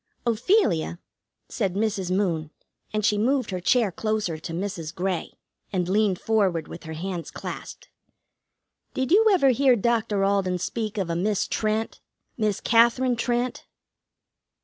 "Ophelia," said Mrs. Moon, and she moved her chair closer to Mrs. Grey, and leaned forward with her hands clasped, "did you ever hear Doctor Alden speak of a Miss Trent Miss Katherine Trent?"